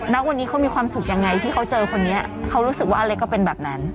ณวันนี้เขามีความสุขยังไงที่เขาเจอคนนี้เขารู้สึกว่าอเล็กก็เป็นแบบนั้น